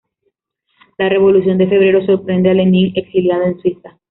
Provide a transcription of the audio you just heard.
La Revolución de Febrero sorprende a Lenin exiliado en Suiza.